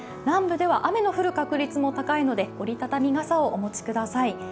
南部では雨の降る確率も高いので折り畳み傘をお持ちください。